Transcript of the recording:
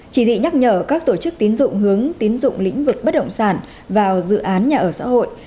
chỉ thị nhắc nhở các tổ chức tín dụng hướng tín dụng lĩnh vực bất động sản vào dự án nhà ở xã hội